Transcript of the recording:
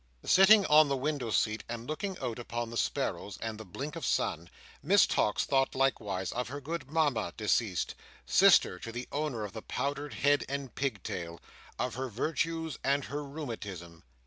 Sitting on the window seat, and looking out upon the sparrows and the blink of sun, Miss Tox thought likewise of her good Mama deceased—sister to the owner of the powdered head and pigtail—of her virtues and her rheumatism.